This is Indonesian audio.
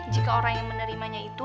jika orang yang menerimanya itu